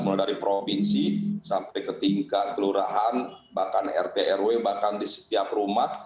mulai dari provinsi sampai ke tingkat kelurahan bahkan rt rw bahkan di setiap rumah